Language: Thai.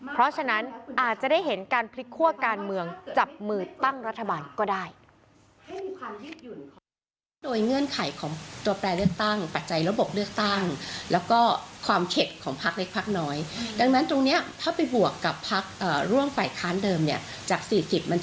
เพราะฉะนั้นอาจจะได้เห็นการพลิกคั่วการเมืองจับมือตั้งรัฐบาลก็ได้